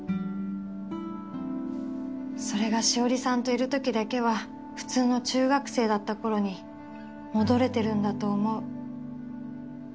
それが紫織さんといる時だけは普通の中学生だった頃に戻れてるんだと思う。